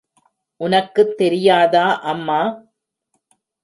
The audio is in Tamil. உனக்குத் தெரியாதா அம்மா?